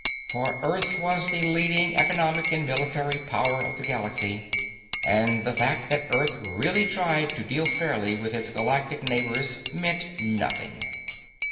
For Earth was the leading economic and military power of the galaxy, and the fact that Earth really tried to deal fairly with its galactic neighbors meant nothing.